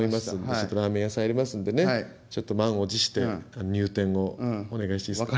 ちょっとラーメン屋さんやりますんでちょっと満を持して入店をお願いしていいですか？